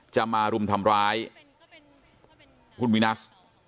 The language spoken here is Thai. จะมารุมทำร้ายคุณวินัส